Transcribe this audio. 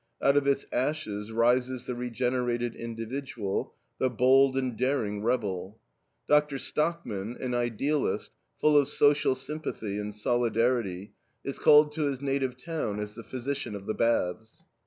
Out of its ashes rises the regenerated individual, the bold and daring rebel. Dr. Stockman, an idealist, full of social sympathy and solidarity, is called to his native town as the physician of the baths.